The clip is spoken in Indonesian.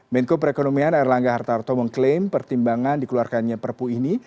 menko perekonomian erlangga hartarto mengklaim pertimbangan dikeluarkannya perpu ini